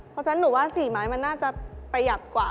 เพราะฉะนั้นหนูว่า๔ไม้มันน่าจะประหยัดกว่า